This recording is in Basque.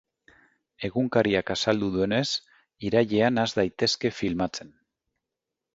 Egunkariak azaldu duenez, irailean has daitezke filmatzen.